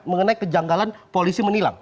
mengenai kejanggalan polisi menilang